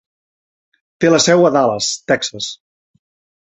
Té la seu a Dallas, Texas.